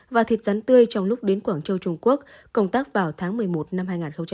và thịt rắn tươi trong lúc đến quảng châu trung quốc công tác vào tháng một mươi một năm hai nghìn hai mươi